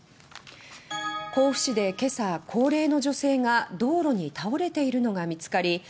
甲府市で、けさ高齢の女性が道路に倒れているのが見つかり